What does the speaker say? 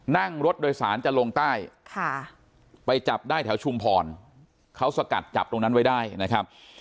นั่งรถโดยสารจะลงใต้ไปจับได้แถวชุมพรเขาสกัดจับตรงนั้นไว้ได้นะครับ